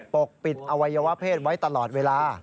ปกปิดอวัยวะเพศไว้ตลอดเวลา